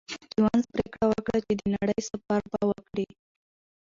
سټيونز پرېکړه وکړه چې د نړۍ سفر به وکړي.